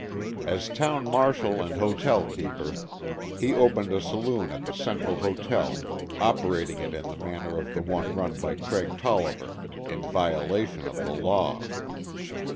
As town marshal and hotel keeper, he opened a saloon at the Central Hotel, operating it in the manner of the one run by Craig Tolliver, in violation of the law.